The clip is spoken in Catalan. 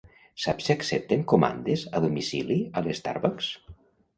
Saps si accepten comandes a domicili a l'Starbucks?